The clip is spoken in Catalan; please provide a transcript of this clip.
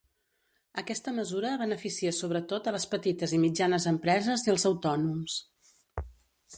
Aquesta mesura beneficia sobretot a les petites i mitjanes empreses i als autònoms.